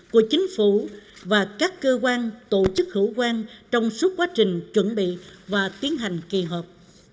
của chính phủ và các cơ quan tổ chức hữu quan trong suốt quá trình chuẩn bị và tiến hành kỳ họp